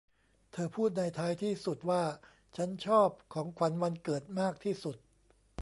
เธอพูดในท้ายที่สุดว่า ฉันชอบของขวัญวันเกิดมากที่สุด